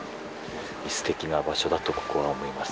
すてきな場所だとここは思います。